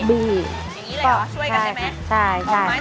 เดี๋ยวไปด้านในไปค่ะตามมาค่ะ